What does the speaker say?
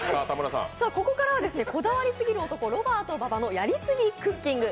ここからは「こだわりすぎる男・ロバート馬場のやりすぎクッキング」